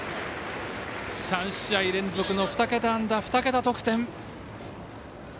３試合連続の２桁安打、２桁得点。